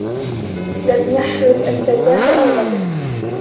لَمْ يَحْرُثْ الْفَلاَّحُ أَرْضَهُ.